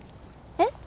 えっ？